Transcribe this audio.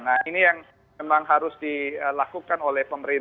nah ini yang memang harus dilakukan oleh pemerintah